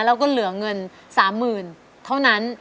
แล้วก็เหลือเงิน๓๐๐๐เท่านั้น